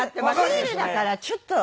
ヒールだからちょっと。